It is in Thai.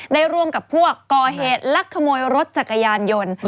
ได้ร่วมกับพวกกฮลักขโมยรถจักรยาน